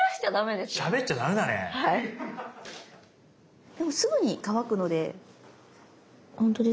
でもすぐに乾くので。